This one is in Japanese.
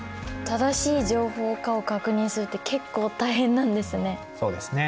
正しい情報かを確認するって結構大変なんですね。